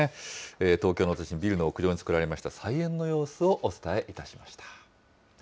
東京の都心、ビルの屋上に作られた菜園の様子をお伝えいたしました。